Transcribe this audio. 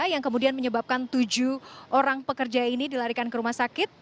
yang kemudian menyebabkan tujuh orang pekerja ini dilarikan ke rumah sakit